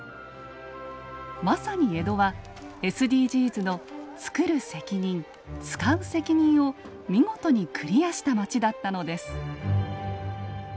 まさに江戸はＳＤＧｓの「つくる責任つかう責任」を見事にクリアした街だったのです。